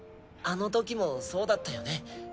あのときもそうだったよね。